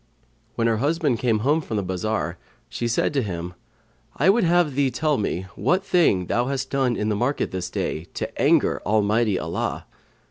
When her husband came home from the bazar, she said to him, "I would have thee tell me what thing thou hast done in the market this day, to anger Almighty Allah."